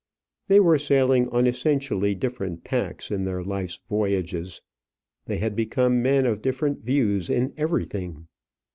They were sailing on essentially different tacks in their life's voyages. They had become men of different views in everything.